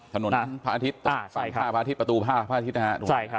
ถนนพระอธิษฐ์ประตูท่าพระอธิษฐ์